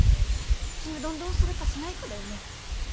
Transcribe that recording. ちむどんどんするかしないかだよね？